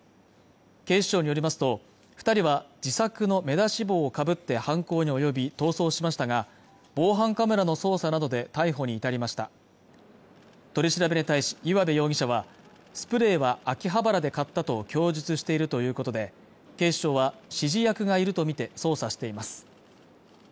警視庁によりますと二人は自作の目出し帽をかぶって犯行に及び逃走しましたが防犯カメラの捜査などで逮捕に至りました取り調べに対し岩部容疑者はスプレーは秋葉原で買ったと供述しているということで警視庁は指示役がいるとみて捜査しています